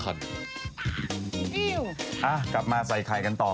อะกลับมาใส่คายกันต่อ